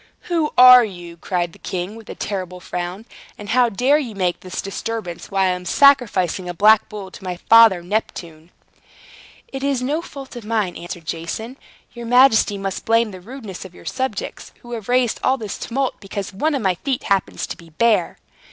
"Who are you?" cried the king, with a terrible frown. "And how dare you make this disturbance, while I am sacrificing a black bull to my father Neptune?" "It is no fault of mine," answered Jason. "Your majesty must blame the rudeness of your subjects, who have raised all this tumult because one of my feet happens to be bare."